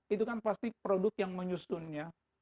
itu kan pasti produk yang menyusunnya